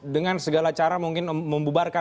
dengan segala cara mungkin membubarkan